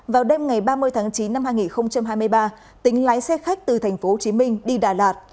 vào đêm ngày ba mươi tháng chín năm hai nghìn hai mươi ba tính lái xe khách từ tp hcm đi đà lạt